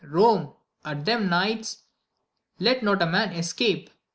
Rome ! at them knights! let not a man escape!